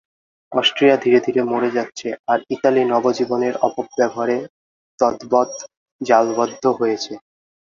অষ্ট্রীয়া ধীরে ধীরে মরে যাচ্ছে, আর ইতালী নব জীবনের অপব্যবহারে তদ্বৎ জালবদ্ধ হয়েছে।